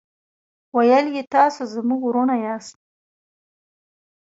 ویل یې تاسو زموږ ورونه یاست.